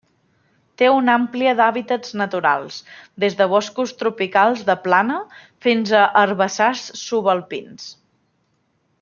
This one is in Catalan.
Té una àmplia d'hàbitats naturals, des de boscos tropicals de plana fins a herbassars subalpins.